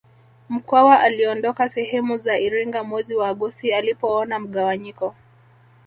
Mkwawa aliondoka sehemu za Iringa mwezi wa Agosti alipoona mgawanyiko